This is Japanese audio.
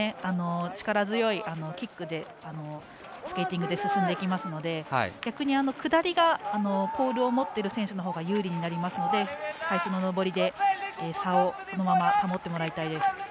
力強いスケーティングで進んでいけますので逆に下りがポールを持っている選手のほうが有利になるので、最初の上りでこのままの差を保ってもらいたいです。